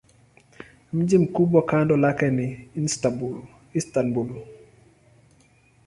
Mji mkubwa kando lake ni Istanbul.